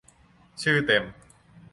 ชื่อเต็ม